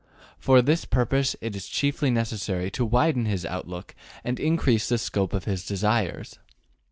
For this purpose it is chiefly necessary to widen his outlook and increase the scope of his desires.